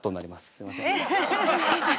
すいません。